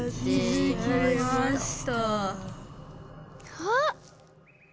あっ！